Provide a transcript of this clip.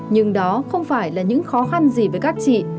nhưng đó không phải là những khó khăn gì với các chị